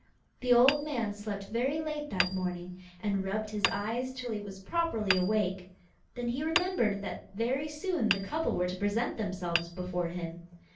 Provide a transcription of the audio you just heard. The old man slept very late that morning, and rubbed his eyes till he was properly awake. Then he remembered that very soon the couple were to present themselves before him.